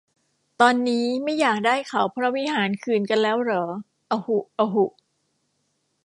ตอนนี้ไม่อยากได้เขาพระวิหารคืนกันแล้วเหรอ อะหุ อะหุ